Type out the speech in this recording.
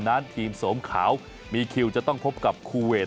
นั้นทีมสมขาวมีคิวจะต้องพบกับคูเวท